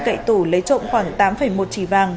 cậy tủ lấy trộm khoảng tám một trì vàng